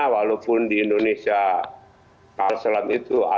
lalu apa yang bisa jadi pada saat kapal selam terbang